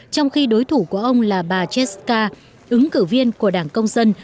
trong khi đối thủ của ông là bà jesca ứng cử viên của đảng công dân